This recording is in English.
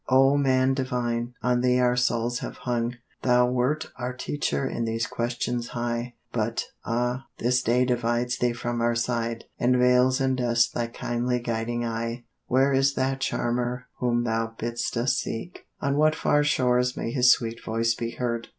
"O man divine! on thee our souls have hung; Thou wert our teacher in these questions high; But, ah, this day divides thee from our side, And veils in dust thy kindly guiding eye. "Where is that Charmer whom thou bidst us seek? On what far shores may his sweet voice be heard?